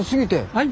はい。